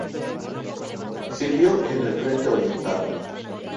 Sirvió en el frente oriental.